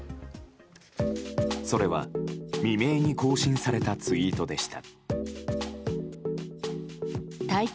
それは、未明に更新されたツイートでした。